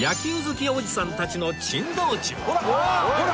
ほら！